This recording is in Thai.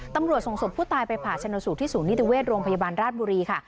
ตำรวจส่งศพผู้ตายไปผ่าชนสูตรที่ศูนนิติเวชโรงพยาบาลราชบุรีค่ะ